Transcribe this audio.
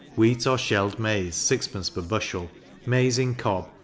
wheat or shelled maize 6d. per bushel; maize in cob 4d.